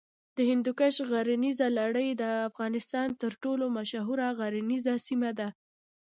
د هندوکش غرنیزه لړۍ د افغانستان تر ټولو مشهوره غرنیزه سیمه ده.